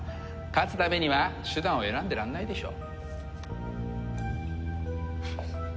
勝つためには手段を選んでられないでしょ。